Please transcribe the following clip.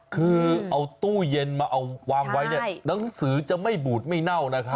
คือเอาตู้เย็นมาวางไว้หนังสือจะไม่บูดไม่เน่านะคะ